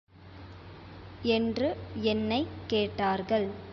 என்று என்னைக் கேட்டார்கள்.